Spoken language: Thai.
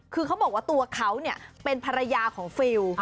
คือเขาบอกว่าตัวเขาเป็นภรรยาของฟิล